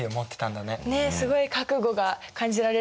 ねっすごい覚悟が感じられるよね。